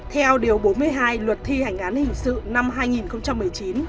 theo điều bốn mươi hai luật thi hành án hình sự năm hai nghìn một mươi chín